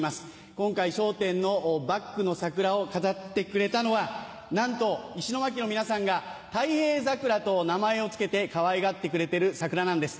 今回『笑点』のバックの桜を飾ってくれたのはなんと石巻の皆さんが「たい平桜」と名前を付けてかわいがってくれてる桜なんです。